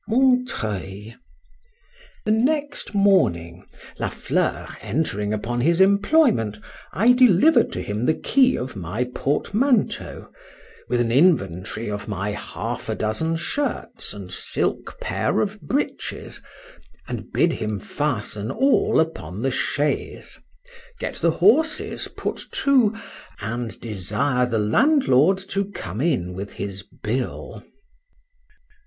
MONTREUIL. THE next morning, La Fleur entering upon his employment, I delivered to him the key of my portmanteau, with an inventory of my half a dozen shirts and silk pair of breeches, and bid him fasten all upon the chaise,—get the horses put to,—and desire the landlord to come in with his bill.